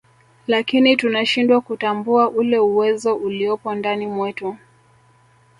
lakini tunashindwa kutambua ule uwezo uliopo ndani mwetu